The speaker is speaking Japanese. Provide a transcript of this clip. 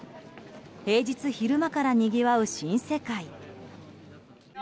平日昼間からにぎわう新世界。